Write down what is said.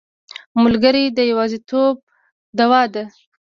ملګری د یوازیتوب دوا ده.